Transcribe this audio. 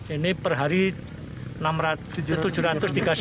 ini per hari enam rata